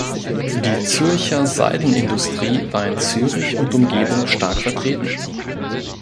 Die Zürcher Seidenindustrie war in Zürich und Umgebung stark vertreten.